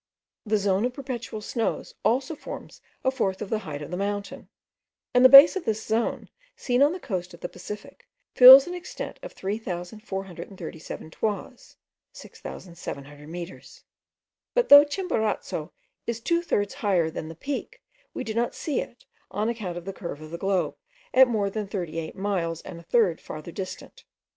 The zone of perpetual snows also forms a fourth of the height of the mountain; and the base of this zone, seen on the coast of the Pacific, fills an extent of 3437 toises (6700 metres). But though Chimborazo is two thirds higher than the peak, we do not see it, on account of the curve of the globe, at more than 38 miles and a third farther distant.